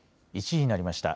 １時になりました。